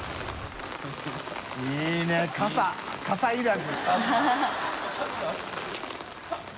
いいね傘いらず。